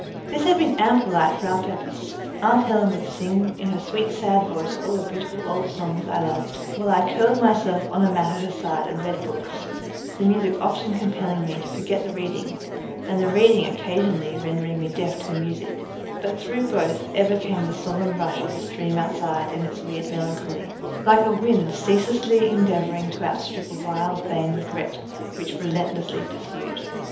This had been ample light for our purpose. Aunt Helen would sing in her sweet sad voice all the beautiful old songs I loved, while I curled myself on a mat at her side and read books the music often compelling me to forget the reading, and the reading occasionally rendering me deaf to the music; but through both ever came the solemn rush of the stream outside in its weird melancholy, like a wind ceaselessly endeavouring to outstrip a wild vain regret which relentlessly pursued.